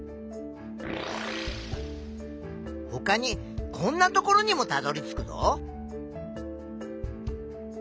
ほかにこんな所にもたどりつくぞ。